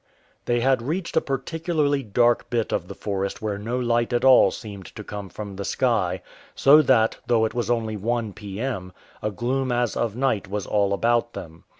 They had reached a particularly dark bit of the forest where no light at all seemed to come from the sky, so that, though it was only one p.m., a gloom as of nigJit was all about them.